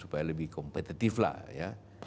supaya lebih kompetitif lah ya